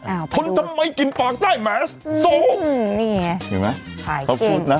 เอ่อพนทำไมกลิ่นปากใต้แหมสนี่เห็นไหมขายจริงขอบคุณนะ